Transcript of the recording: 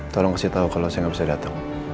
tolong kasih tau kalau saya gak bisa dateng